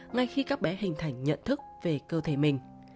ngay khi các bé hình thành nhận thức về cơ thể mình